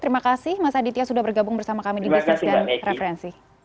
terima kasih mas aditya sudah bergabung bersama kami di bisnis dan referensi